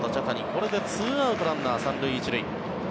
これで２アウトランナー３塁１塁。